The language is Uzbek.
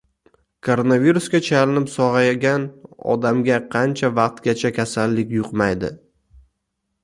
Koronavirusga chalinib sog‘aygan odamga qancha vaqtgcha kasallik yuqmaydi?